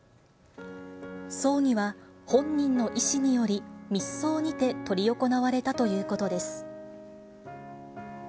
葬儀は本人の意思により、密葬にて執り行われたということです。